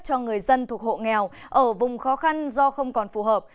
cho người dân thuộc hộ nghèo ở vùng khó khăn do không còn phù hợp